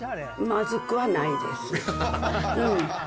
まずくはないです。